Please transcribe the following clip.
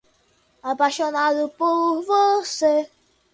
Apaixonado por você